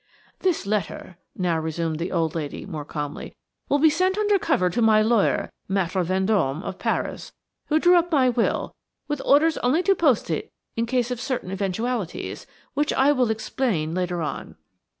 "This letter," now resumed the old lady, more calmly. "will be sent under cover to my lawyer Maître Vendôme, of Paris, who drew up my will, with orders only to post it in case of certain eventualities, which I will explain later on.